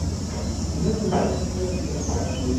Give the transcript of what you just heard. Es algo alargado en dirección norte-sur.